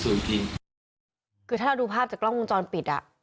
ศูนย์พิมพ์คือถ้าเราดูภาพจากกล้องกุ้งจรปิดอ่ะ